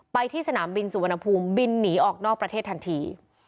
ไปที่สนามบินสุวรรณภูมิบินหนีออกนอกประเทศทันที